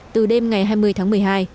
từ đêm ngày hai mươi tháng một mươi hai